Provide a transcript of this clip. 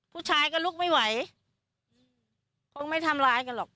ผู้ชายก็ลุกไม่ไหวคงไม่ทำร้ายกันหรอก